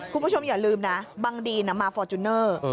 คุณผู้ชมอย่าลืมนะบังดีนมาฟอร์จูเนอร์